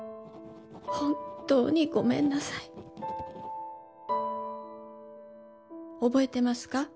「本当にごめんなさい」「覚えてますか？